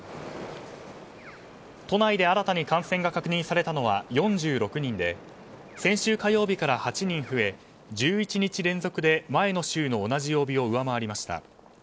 都内で新たに感染が確認されたのは４６人で先週火曜日から８人増え１１日連続で前の週の同じ曜日を上回りました。